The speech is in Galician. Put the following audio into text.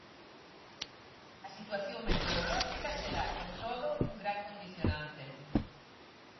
A situación meteorolóxica será, con todo, un gran condicionante.